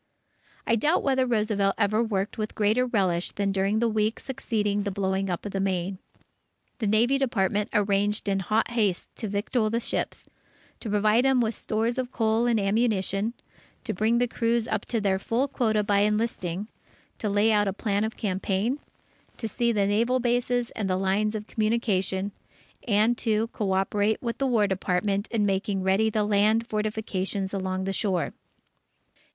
I doubt whether Roosevelt ever worked with greater relish than during the weeks succeeding the blowing up of the Maine. The Navy Department arranged in hot haste to victual the ships; to provide them with stores of coal and ammunition; to bring the crews up to their full quota by enlisting; to lay out a plan of campaign; to see to the naval bases and the lines of communication; and to coöperate with the War Department in making ready the land fortifications along the shore.